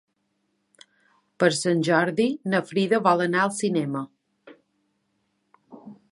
Per Sant Jordi na Frida vol anar al cinema.